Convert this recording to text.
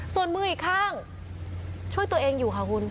ส่วนมืออีกข้างช่วยตัวเองอยู่ค่ะคุณ